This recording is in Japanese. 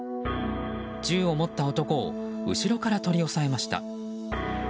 銃を持った男を後ろから取り押さえました。